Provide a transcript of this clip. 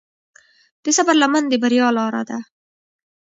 د صبر لمن د بریا لاره ده.